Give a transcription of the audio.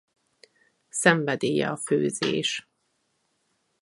Szenvedélye a főzés.